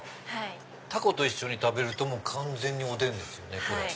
タコと一緒に食べると完全におでんですよね。